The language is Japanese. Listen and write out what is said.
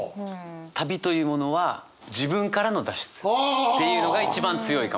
旅というものは自分からの脱出っていうのが一番強いかもしれない。